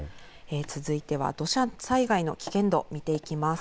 続いては土砂災害の危険度を見ていきます。